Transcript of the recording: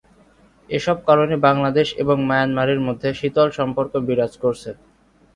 এসব কারণে বাংলাদেশ এবং মায়ানমারের মধ্যে শীতল সম্পর্ক বিরাজ করছে।